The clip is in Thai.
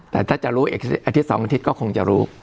แต่ถ้าจะรู้อีกอาทิตย์๒อาทิตย์ก็คงจะรู้